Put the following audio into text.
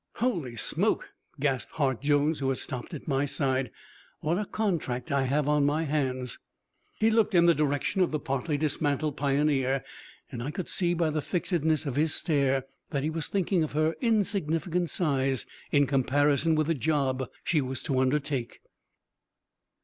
"Holy smoke!" gasped Hart Jones, who had stopped at my side. "What a contract I have on my hands!" He looked in the direction of the partly dismantled Pioneer, and I could see by the fixedness of his stare that he was thinking of her insignificant size in comparison with the job she was to undertake.